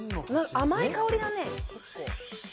甘い香りだね。